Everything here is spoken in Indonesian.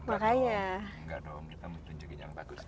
makanya kita mau tunjukin yang bagus